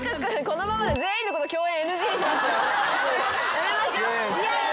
やめましょう。